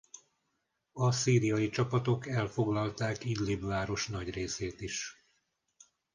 A szíriai csapatok elfoglalták Idlib város nagy részét is.